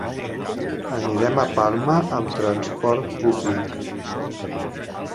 Anirem a Palma amb transport públic.